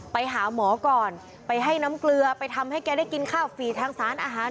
ไปหาหมอก่อนไปให้น้ำเกลือไปทำให้แกได้กินข้าวฟรีทางสารอาหาร